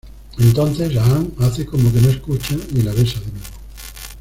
Entonces, Aang hace como que no escucha y la besa de nuevo.